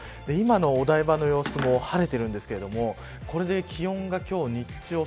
今のお台場の様子も晴れているんですがこれで気温が今日、日中